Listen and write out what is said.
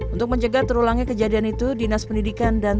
untuk mencegah terulangnya kejadian itu dinas pendidikan dan